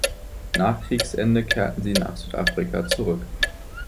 Nach Kriegsende kehrten sie nach Südafrika zurück.